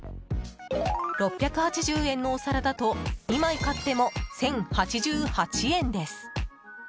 ６８０円のお皿だと２枚買っても１０８８円です。